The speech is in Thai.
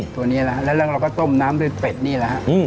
ตัวนี้แล้วเราก็ต้มน้ำด้วยเป็ดนี้แล้วครับ